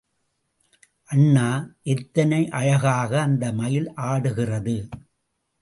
அண்ணா, எத்தனை அழகாக அந்த மயில் ஆடுகிறது.